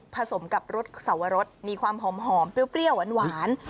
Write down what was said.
สมกับรสสวรสมีความหอมเปรี้ยวหวาน